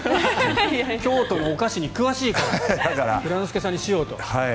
京都のお菓子に詳しいから蔵之介さんにしようと。